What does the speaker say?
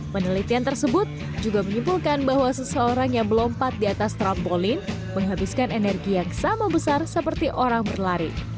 penelitian tersebut juga menyimpulkan bahwa seseorang yang melompat di atas trampolin menghabiskan energi yang sama besar seperti orang berlari